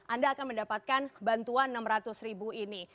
anda akan mendapatkan bantuan enam ratus ribu ini